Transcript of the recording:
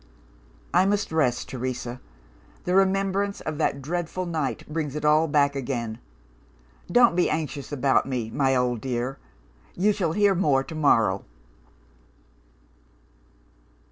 "I must rest, Teresa. The remembrance of that dreadful night brings it all back again. Don't be anxious about me, my old dear! You shall hear more to morrow."